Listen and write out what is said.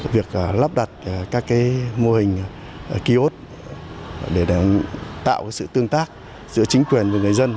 việc lắp đặt các mô hình kiosk để tạo sự tương tác giữa chính quyền và người dân